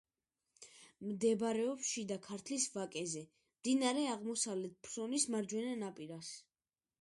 მდებარეობს შიდა ქართლის ვაკეზე, მდინარე აღმოსავლეთ ფრონის მარჯვენა ნაპირას.